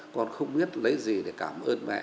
con không biết lấy gì để cảm ơn mẹ